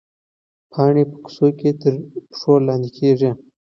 پاڼې په کوڅو کې تر پښو لاندې کېږي.